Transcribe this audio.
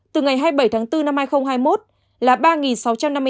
từ ngày hai mươi bảy tháng bốn năm hai nghìn hai mươi một là ba sáu trăm năm mươi tám ca